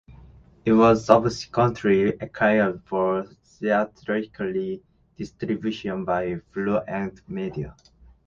It was subsequently acquired for theatrical distribution by Blue Ant Media.